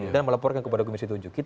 dan melaporkan kepada komisi tujuh